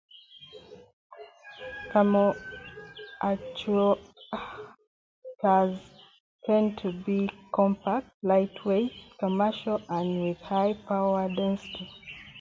Thermal actuators tend to be compact, lightweight, economical and with high power density.